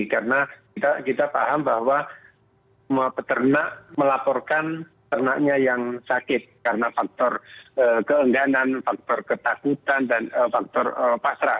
karena kita paham bahwa peternak melaporkan peternaknya yang sakit karena faktor keengganan faktor ketakutan dan faktor pasrah